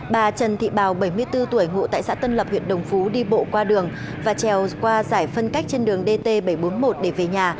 bà trần thị bào bảy mươi bốn tuổi ngụ tại xã tân lập huyện đồng phú đi bộ qua đường và trèo qua giải phân cách trên đường dt bảy trăm bốn mươi một để về nhà